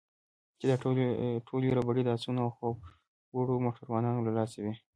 چې دا ټولې ربړې د اسونو او خوب وړو موټروانانو له لاسه وې.